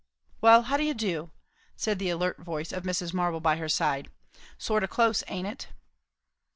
"Well, how do you do?" said the alert voice of Mrs. Marble by her side. "Sort o' close, aint it?"